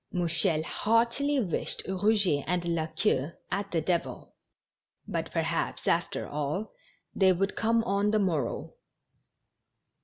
Mou chel heartily wished Eouget and La Queue at the devil; but, perhaps, after all, they would come on the morrow.